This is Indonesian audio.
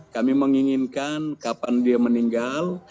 kami menginginkan kapan dia meninggal